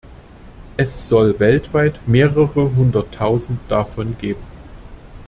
Es soll weltweit mehrere hundertausend davon geben.